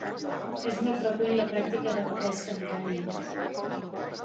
És molt freqüent la pràctica de la pesca amb canya.